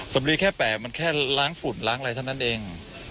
สำลีแค่แปลกมันแค่ล้างฝุ่นล้างอะไรเท่านั้นเอง